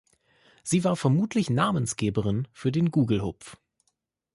Sie war vermutlich Namensgeberin für den Gugelhupf.